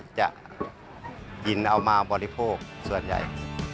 จะกินเอามาบริโภคส่วนใหญ่